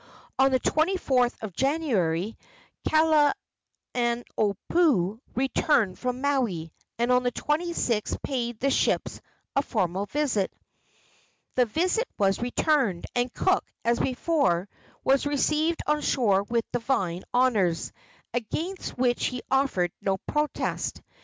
On the 24th of January Kalaniopuu returned from Maui, and on the 26th paid the ships a formal visit. The visit was returned, and Cook, as before, was received on shore with divine honors, against which he offered no protest.